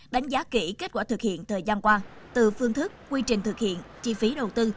đánh giá kỹ kết quả thực hiện thời gian qua từ phương thức quy trình thực hiện chi phí đầu tư